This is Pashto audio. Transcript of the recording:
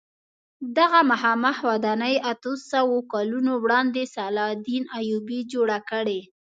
دغه مخامخ ودانۍ اتو سوو کلونو وړاندې صلاح الدین ایوبي جوړه کړې.